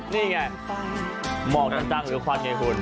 นี่ไงหมอกจันจังหรือควาเกฮุน